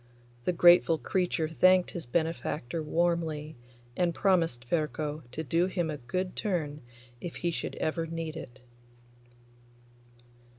The grateful creature thanked his benefactor warmly, and promised Ferko to do him a good turn if he should ever need it.